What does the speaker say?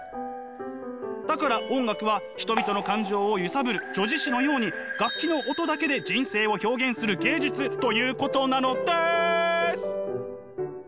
だから音楽は人々の感情を揺さぶる叙事詩のように楽器の音だけで人生を表現する芸術ということなのです！